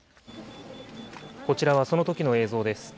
こちらはそのときの映像です。